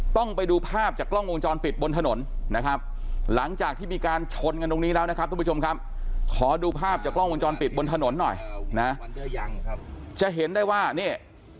ต้องไปดูภาพจากกล้องวงจรปิดบนถนนนะครับหลังจากที่มีการชนกันตรงนี้แล้วนะครับทุกผู้ชมครับขอดูภาพจากกล้องวงจรปิดบนถนนหน่อยนะจะเห็นได้ว่านี่